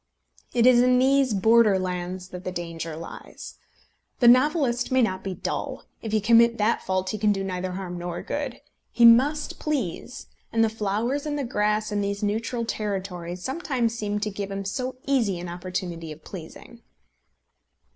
It is in these border lands that the danger lies. The novelist may not be dull. If he commit that fault he can do neither harm nor good. He must please, and the flowers and the grass in these neutral territories sometimes seem to give him so easy an opportunity of pleasing!